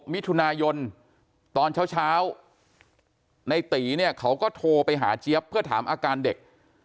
มิถุนายนตอนเช้าในตีเนี่ยเขาก็โทรไปหาเจี๊ยบเพื่อถามอาการเด็ก